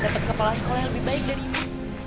dapat kepala sekolah yang lebih baik dari ini